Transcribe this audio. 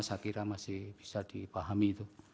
saya kira masih bisa dipahami itu